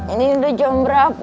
ini udah jam berapa